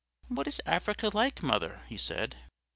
"What is Africa like, mother?" he said.